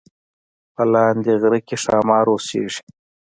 په لاندې غره کې ښامار اوسیږي